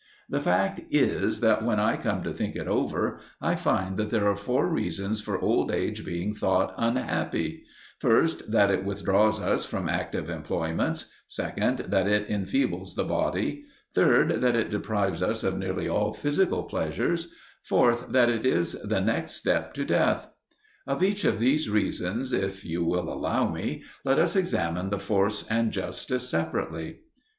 The fact is that when I come to think it over, I find that there are four reasons for old age being thought unhappy: First, that it withdraws us from active employments; second, that it enfeebles the body; third, that it deprives us of nearly all physical pleasures; fourth, that it is the next step to death. Of each of these reasons, if you will allow me, let us examine the force and justice separately.